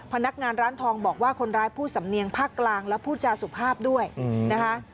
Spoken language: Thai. พนักงานร้านทองบอกว่าคนร้ายพูดสำเนียงภาคกลางและพูดจาสุภาพด้วยนะคะ